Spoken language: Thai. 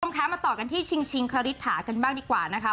พื้นต้นโค้งแค้นมาต่อกันที่ชิงคฤตฐากันบ้างดีกว่านะคะ